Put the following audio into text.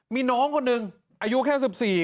มีน้องคนหนึ่งอายุแค่๑๔